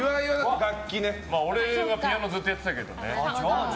俺はピアノずっとやってたけどね。